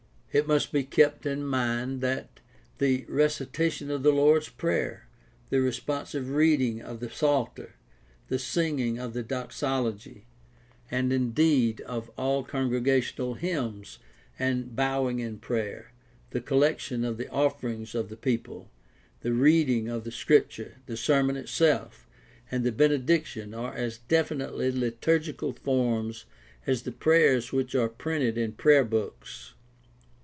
It must be kept in mind that the recitation of the Lord's Prayer, the responsive reading of the Psalter, the singing of the Doxology, and indeed of all congregational hymns, the bowing in prayer, the collection of the offerings of the people, the reading of the Scripture, the sermon itself, and the bene diction are as definitely liturgical forms as the prayers which are printed in prayer books.